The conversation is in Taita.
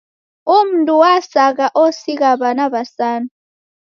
Umundu wasagha osigha w'ana w'asanu.